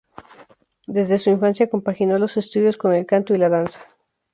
Desde su infancia compaginó los estudios con el canto y la danza.